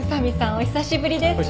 お久しぶりです。